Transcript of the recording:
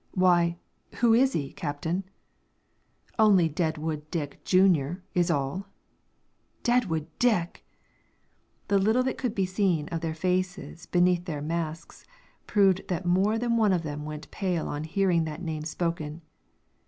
"Why, who is he, captain?" "Only Deadwood Dick, Junior, is all." "Deadwood Dick!" The little that could be seen of their faces, beneath their masks, proved that more than one of them went pale on hearing that name spoken.